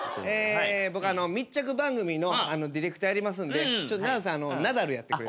僕密着番組のディレクターやりますんでナダルさんナダルやってくれる？